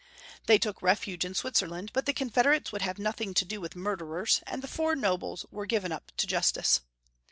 They took refuge in Switzerland, but the confederates would have noth ing to do with murderers, and the four nobles were given up to justice.